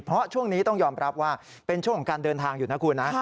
เพราะช่วงนี้ต้องยอมรับว่าเป็นช่วงของการเดินทางอยู่นะคุณนะ